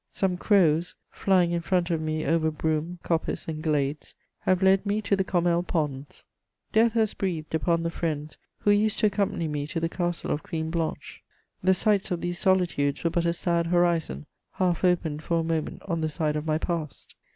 Some crows, flying in front of me over broom, coppice and glades, have led me to the Commelle Ponds. Death has breathed upon the friends who used to accompany me to the castle of Queen Blanche: the sites of these solitudes were but a sad horizon, half opened for a moment on the side of my past.